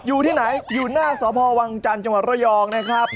อยู่ที่ไหนอยู่หน้าสพวังจันทร์จังหวัดระยองนะครับ